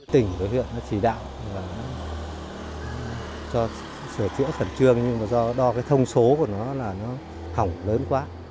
tỉnh đối hiện chỉ đạo cho sửa chữa khẩn trương nhưng mà do đo cái thông số của nó là nó hỏng lớn quá